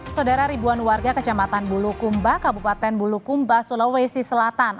saudara ribuan warga kecamatan bulukumba kabupaten bulukumba sulawesi selatan